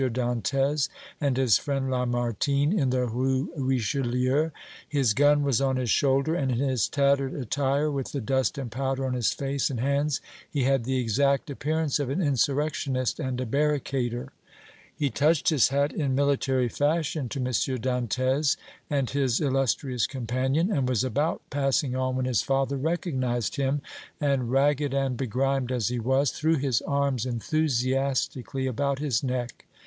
Dantès and his friend Lamartine in the Rue Richelieu; his gun was on his shoulder, and in his tattered attire, with the dust and powder on his face and hands, he had the exact appearance of an insurrectionist and a barricader. He touched his hat in military fashion to M. Dantès and his illustrious companion, and was about passing on when his father recognized him and, ragged and begrimed as he was, threw his arms enthusiastically about his neck.